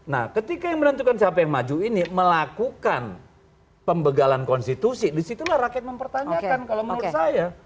nah ketika yang menentukan siapa yang maju ini melakukan pembegalan konstitusi disitulah rakyat mempertanyakan kalau menurut saya